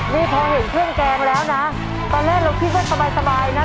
นี่พอเห็นเครื่องแกงแล้วนะตอนแรกเราคิดว่าสบายนะ